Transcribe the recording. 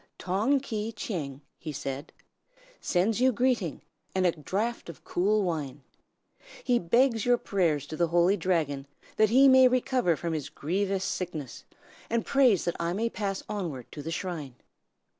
"Tong Ki Tcheng," he said, "sends you greeting, and a draught of cool wine. He begs your prayers to the Holy Dragon that he may recover from his grievous sickness, and prays that I may pass onward to the shrine."